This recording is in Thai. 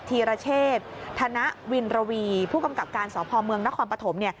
ธีรเชษธนวินระวีผู้กำกับการสพเมืองนครปฐม